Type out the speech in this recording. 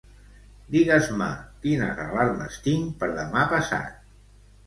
Digues-me quines alarmes tinc per demà passat.